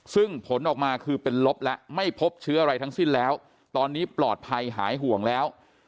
ซึ่งผลออกมาคือเป็นลบแล้วไม่พบเชื้ออะไรทั้งสิ้นแล้วตอนนี้ปลอดภัยหายห่วงแล้ว